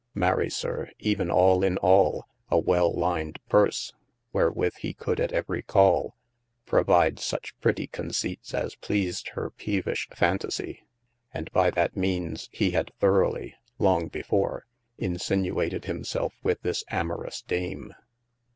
Marry sir even all in all, a well lyned pursse, wherewith he could at every call, provide suche pretie conceytes as pleased hir peevish fantasie : and by that meanes hee had throughly (long before) insinuated him selfe with this amorous dame.